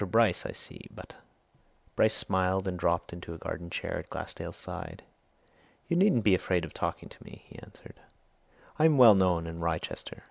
Bryce, I see. But " Bryce smiled and dropped into a garden chair at Glassdale's side. "You needn't be afraid of talking to me," he answered. "I'm well known in Wrychester.